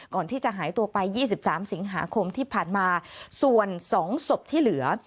ก่อนที่จะหายตัวไป๒๓สิงหาคมที่ผ่านมาส่วน๒ศพที่เหลือ